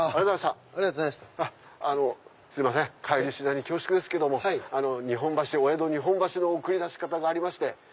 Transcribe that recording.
すいません帰りしなに恐縮ですけどもお江戸日本橋の送り出し方がありまして。